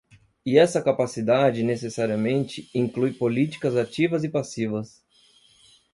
E essa capacidade, necessariamente, inclui políticas ativas e passivas.